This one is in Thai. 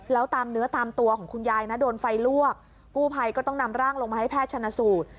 แล้วตามเนื้อตามตัวของคุณยายนะโดนไฟลวกกู้ภัยก็ต้องนำร่างลงมาให้แพทย์ชนะสูตร